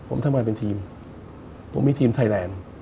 ผมทำงานเป็นทีมผมมีทีมไทยแลนด์